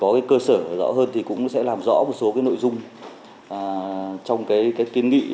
để có cơ sở rõ hơn thì cũng sẽ làm rõ một số nội dung trong cái kiến nghị